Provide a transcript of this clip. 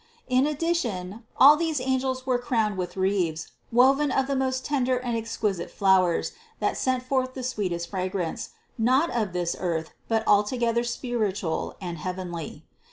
364. In addition, all these angels were crowned with wreaths woven of the most tender and exquisite flowers, that sent forth the sweetest fragrance, not of this earth but altogether spiritual and heavenly.